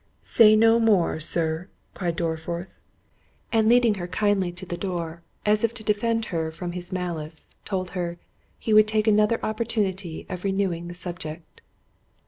"Say no more, Sir," cried Dorriforth—and leading her kindly to the door, as if to defend her from his malice, told her, "He would take another opportunity of renewing the subject."